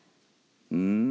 うん。